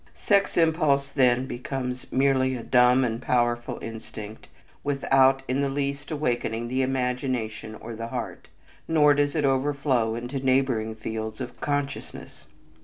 Sex impulse then becomes merely a dumb and powerful instinct without in the least awakening the imagination or the heart, nor does it overflow into neighboring fields of consciousness.